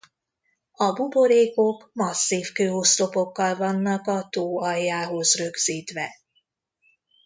A buborékok masszív kőoszlopokkal vannak a tó aljához rögzítve.